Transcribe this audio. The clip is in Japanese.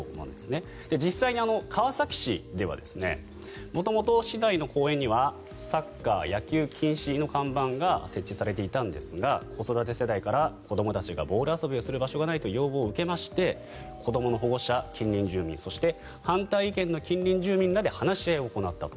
実際に川崎市では元々、市内の公園には「サッカー・野球禁止」の看板が設置されていたんですが子ども世代から子どもたちがボール遊びをする場所がないと要望を受けまして子どもの保護者、近隣住民反対意見の近隣住民らで話し合いを行ったと。